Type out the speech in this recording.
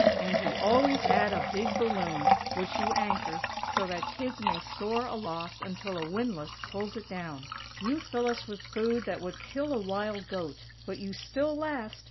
And you always add a big balloon, which you anchor, so that kids may soar aloft until a windlass pulls it down. You fill us with food that would kill a wild goat, but you still last!